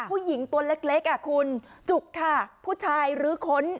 ผู้หญิงตัวเล็กอ่ะคุณจุกค่ะผู้ชายรื้อค้น